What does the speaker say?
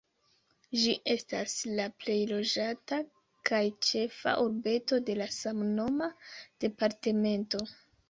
Ĝi estas la plej loĝata kaj ĉefa urbeto de la samnoma departemento.